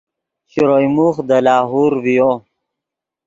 شروئے موخ دے لاہور ڤیو